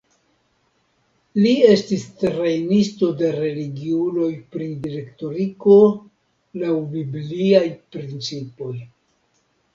Li estis trejnisto de religiuloj pri direktoriko laŭ bibliaj principoj.